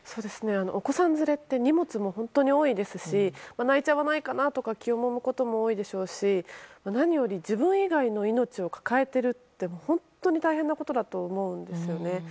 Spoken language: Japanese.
お子さん連れって荷物も本当に多いですし泣いちゃわないかなとか気をもむことも多いでしょうし何より自分以外の命を抱えているって本当に大変なことだと思うんですよね。